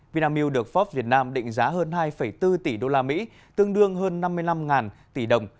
vinamilk được forbes việt nam định giá hơn hai bốn tỷ đô la mỹ tương đương hơn năm mươi năm tỷ đồng